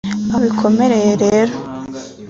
Aho bikomereye rero